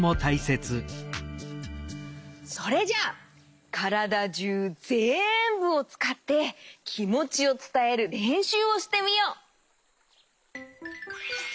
それじゃからだじゅうぜんぶをつかってきもちをつたえるれんしゅうをしてみよう。